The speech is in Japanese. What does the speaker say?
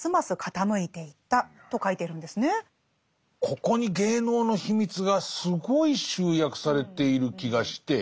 ここに芸能の秘密がすごい集約されている気がして。